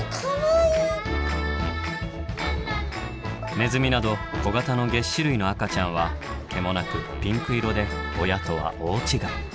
ネズミなど小型のげっ歯類の赤ちゃんは毛もなくピンク色で親とは大違い。